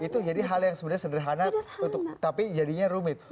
itu jadi hal yang sebenarnya sederhana tapi jadinya rumit